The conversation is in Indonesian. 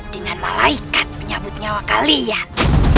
dengan malaikat menyambut nyawa kalian